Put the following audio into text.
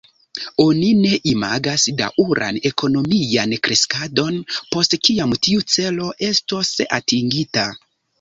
Oni ne imagas daŭran ekonomian kreskadon, post kiam tiu celo estos atingita.